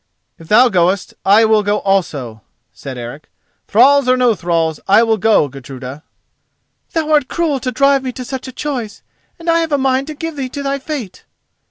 "If thou goest, I will go also," said Eric. "Thralls or no thralls, I will go, Gudruda." "Thou art cruel to drive me to such a choice, and I have a mind to give thee to thy fate."